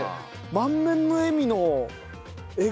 満面の笑みの笑顔